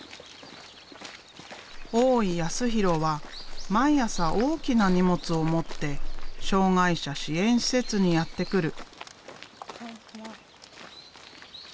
大井康弘は毎朝大きな荷物を持って障害者支援施設にやって来る。